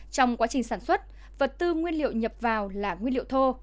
trong quá trình sản xuất vật tư nguyên liệu nhập vào là nguyên liệu thô